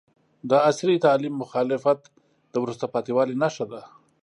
د عصري تعلیم مخالفت د وروسته پاتې والي نښه ده.